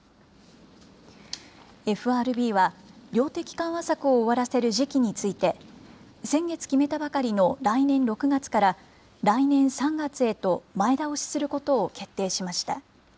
ＦＲＢは、量的緩和策を終わらせる時期について、先月決めたばかりの来年６月から、来年３月へと前倒しすることを決定しました。